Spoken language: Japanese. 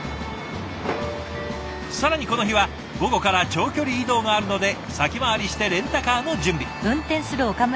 更にこの日は午後から長距離移動があるので先回りしてレンタカーの準備。